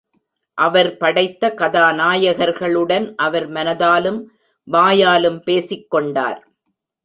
அவர் படைத்த கதாநாயகர்களுடன் அவர் மனதாலும் வாயாலும் பேசிக்கொண்டார்.